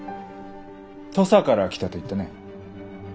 「土佐から来た」と言ったね？